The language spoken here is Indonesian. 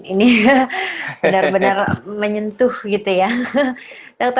ini benar benar menyentuh gitu ya